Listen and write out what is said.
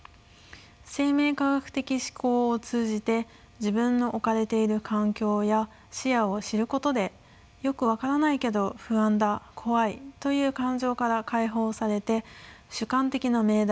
生命科学的思考を通じて自分の置かれている環境や視野を知ることでよく分からないけど不安だ怖いという感情から解放されて主観的な命題